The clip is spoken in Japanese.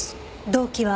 動機は？